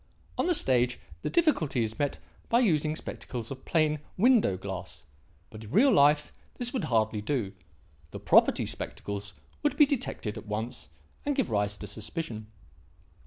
On the stage the difficulty is met by using spectacles of plain window glass, but in real life this would hardly do; the 'property' spectacles would be detected at once and give rise to suspicion.